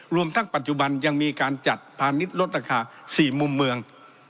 รวมทั้งปัจจุบันยังมีการจัดพาณิชย์ลดราคา๔มุมเมือง